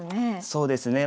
そうですね。